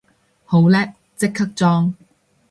好叻，即刻裝